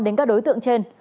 đến các đối tượng trên